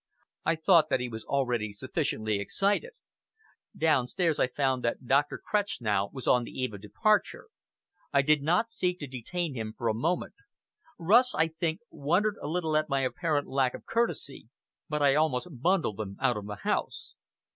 I thought that he was already sufficiently excited. Downstairs I found that Dr. Kretznow was on the eve of departure. I did not seek to detain him for a moment. Rust, I think, wondered a little at my apparent lack of courtesy; but I almost bundled them out of the house.